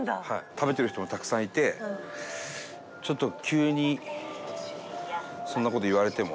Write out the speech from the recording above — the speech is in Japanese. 食べてる人もたくさんいてちょっと急にそんな事言われても。